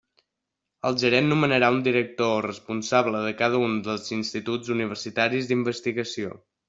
El gerent nomenarà un director o responsable de cada un dels instituts universitaris d'investigació.